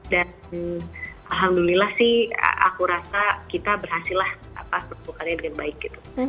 dan alhamdulillah sih aku rasa kita berhasil lah pas berpukulannya dengan baik gitu